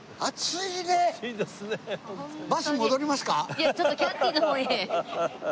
いやちょっとキャンティの方へ。